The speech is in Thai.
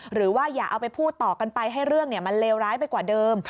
หรือว่าอย่าเอาไปพูดต่อกันไปให้เรื่องมันเลวร้ายไปกว่าเดิม